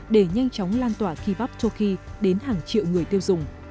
để nhanh chóng lan tỏa kibak toki đến hàng triệu người tiêu dùng